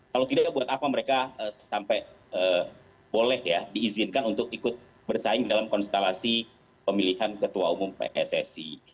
kalau tidak buat apa mereka sampai boleh ya diizinkan untuk ikut bersaing dalam konstelasi pemilihan ketua umum pssi